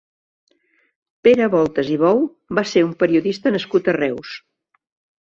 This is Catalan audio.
Pere Voltes i Bou va ser un periodista nascut a Reus.